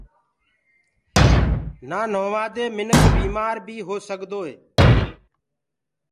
نآ نهووآدي مِنک بيٚمآر بيٚ هو سگدوئي